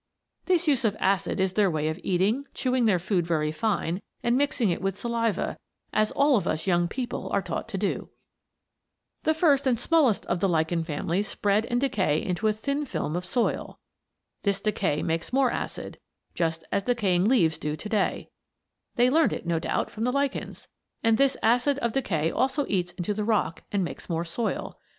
This use of acid is their way of eating; chewing their food very fine, and mixing it with saliva, as all of us young people are taught to do. The first and smallest of the lichen family spread and decay into a thin film of soil. This decay makes more acid, just as decaying leaves do to day they learned it, no doubt, from the lichens and this acid of decay also eats into the rock and makes more soil.